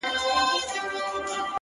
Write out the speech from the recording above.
او د خپل زړه په تصور كي مي ـ